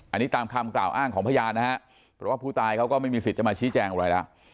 อันนี้ตามคำกล่าวอ้างของพยานนะฮะเพราะว่าผู้ตายเขาก็ไม่มีสิทธิ์จะมาชี้แจงอะไรแล้ว